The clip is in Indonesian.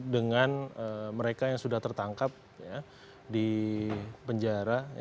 dengan mereka yang sudah tertangkap di penjara